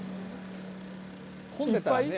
混んでたらね。